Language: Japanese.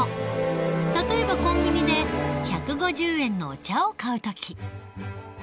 例えばコンビニで１５０円のお茶を買う時。